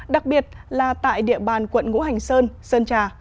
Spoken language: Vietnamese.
đặc biệt là tại địa bàn quận ngũ hành sơn sơn trà